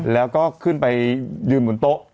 แล้วก็ขึ้นไปยืนบนโต๊ะ